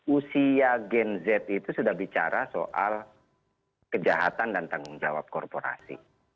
usia gen z itu sudah bicara soal kejahatan dan tanggung jawab korporasi